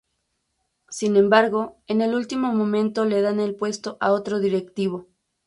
Sin embargo, en el último momento le dan el puesto a otro directivo.